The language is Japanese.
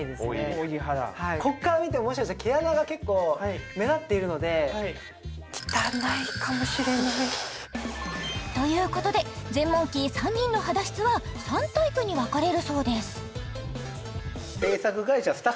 ここから見てもしかして毛穴が結構目立っているのでということでゼンモンキー３人の肌質は３タイプに分かれるそうです